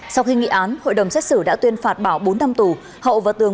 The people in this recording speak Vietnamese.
sau khi nghị án hội đồng xét xử đã tuyên phạt bảo bốn năm tù hậu và tường